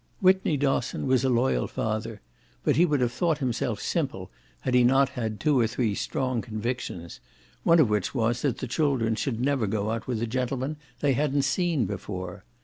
Whitney Dosson was a loyal father, but he would have thought himself simple had he not had two or three strong convictions: one of which was that the children should never go out with a gentleman they hadn't seen before.